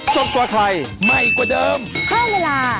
โปรดติดตามตอนต่อไป